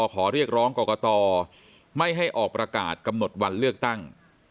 ขอเรียกร้องกรกตไม่ให้ออกประกาศกำหนดวันเลือกตั้ง